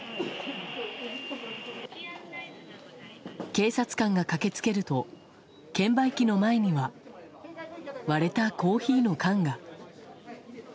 警察官が駆け付けると券売機の前には割れたコーヒーの缶が。